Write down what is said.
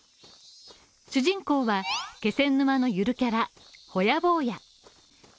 主人公は気仙沼のゆるキャラほやボーヤ。